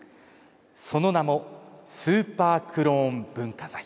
その名もスーパークローン文化財。